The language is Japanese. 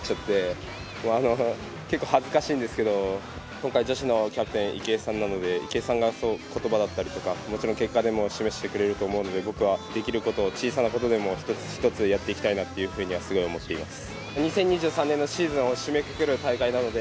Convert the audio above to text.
今回女子のキャプテンは池江さんなので、池江さんの言葉だったり、もちろん結果でも示してくれると思うので僕はできることを小さなことでも一つ一つやっていきたいなとは思っています。